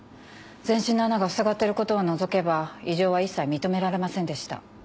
全身の穴がふさがってることを除けば異常は一切認められませんでした。